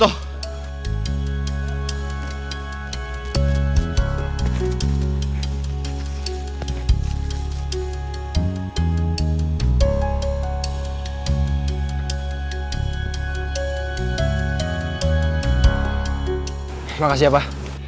terima kasih pak